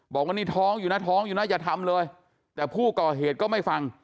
บอกว่านี่ท้องอยู่นะท้องอยู่นะอย่าทำเลยแต่ผู้ก่อเหตุก็ไม่ฟัง